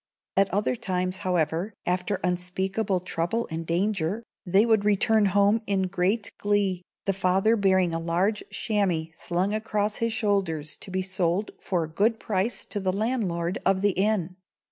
At other times, however, after unspeakable trouble and danger, they would return home in great glee, the father bearing a large chamois slung across his shoulders, to be sold for a good price to the landlord of the inn.